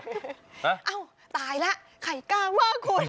อ้าวตายละใครกล้าว่าคุณ